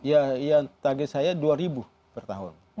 ya target saya dua ribu per tahun